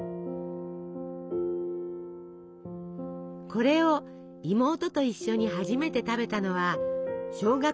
これを妹と一緒に初めて食べたのは小学２年生の時。